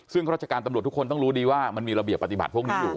ซึ่งข้าราชการตำรวจทุกคนต้องรู้ดีว่ามันมีระเบียบปฏิบัติพวกนี้อยู่